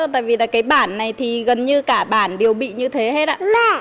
tại vì cái bản này thì gần như cả bản đều bị như thế hết ạ